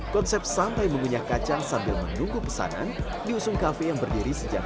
konsep santai mengunyah kacang sambil menunggu pesanan di usung kafe yang berdiri sejak dua ribu sebelas itu